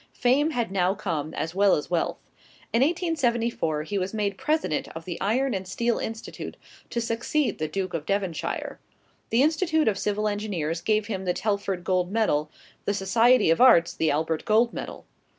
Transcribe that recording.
Fame had now come, as well as wealth. In 1874, he was made President of the Iron and Steel Institute, to succeed the Duke of Devonshire. The Institute of Civil Engineers gave him the Telford Gold Medal; the Society of Arts, the Albert Gold Medal.